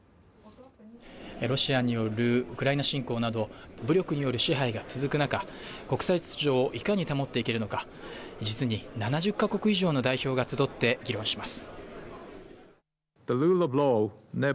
ロシアによるウクライナ侵攻など武力による支配が続く中、国際秩序にいかに保っていけるのか、実に７０か国以上の代表が集って議論します。